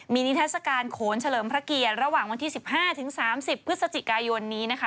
มีนิทัศกาลโขนเฉลิมพระเกียรติระหว่างวันที่๑๕๓๐พฤศจิกายนนี้นะคะ